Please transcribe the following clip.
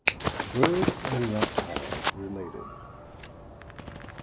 BIRDS AND REPTILES RELATED.